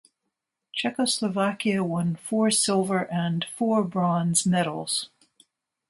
Czechoslovakia won four silver and four bronze medals.